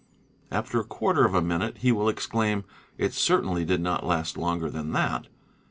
After a quarter of a minute he will exclaim, "It certainly did not last longer than that."